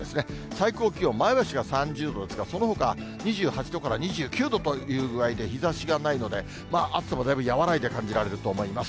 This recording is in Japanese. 最高気温、前橋が３０度ですが、そのほか２８度から２９度という具合で、日ざしがないので、まあ暑さもだいぶ和らいで感じられると思います。